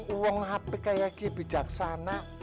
uang hp kayaknya bijaksana